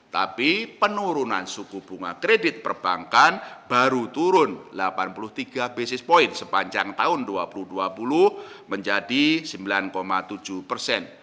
tapi penurunan suku bunga kredit perbankan baru turun delapan puluh tiga basis point sepanjang tahun dua ribu dua puluh menjadi sembilan tujuh persen